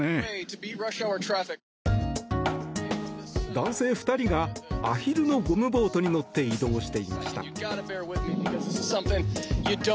男性２人がアヒルのゴムボートに乗って移動していました。